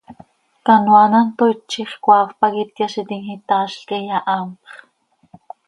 Canoaa an hant tooit, ziix coaafp pac ityaazitim, itaazlca, iyahaanpx.